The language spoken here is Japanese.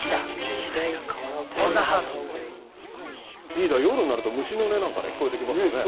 リーダー、夜になると虫の音なんかが聞こえてきますよね。